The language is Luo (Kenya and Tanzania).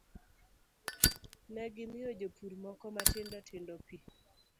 Ne gimiyo jopur moko matindo tindo pi,